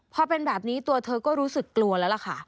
พอเป็นแบบนี้ตัวเธอก็รู้สึกกลัวแล้วล่ะค่ะ